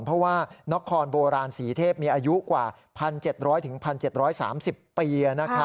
เพราะว่านครโบราณสีเทพมีอายุกว่า๑๗๐๐๑๗๓๐ปี